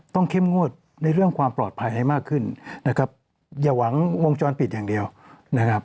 เข้มงวดในเรื่องความปลอดภัยให้มากขึ้นนะครับอย่าหวังวงจรปิดอย่างเดียวนะครับ